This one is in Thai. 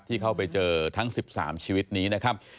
ที่เข้าไปเจอทั้ง๑๓ชีวิตนี้นะครับ